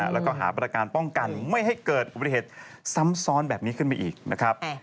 แล้วก็หาบริการป้องกันไม่ให้เกิดอุบัติเหตุซ้ำซ้อนแบบนี้ขึ้นไปอีกนะครับ